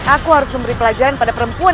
aku harus memberi pelajaran pada perempuan